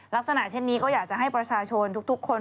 ลักษณะเช่นนี้ก็อยากจะให้ประชาชนทุกคน